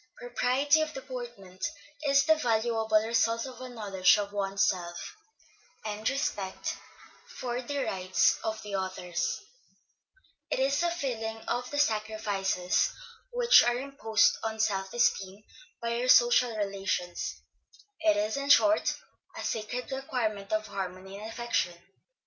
Propriety of deportment, is the valuable result of a knowledge of one's self, and of respect for the rights of others; it is a feeling of the sacrifices which are imposed on self esteem by our social relations; it is, in short, a sacred requirement of harmony and affection.